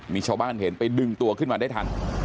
มีชาวบ้านเห็นไปดึงตัวขึ้นมาได้ทัน